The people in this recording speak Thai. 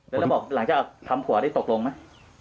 แล้วบอกหลังจากทำขวดได้ตกลงมั้ย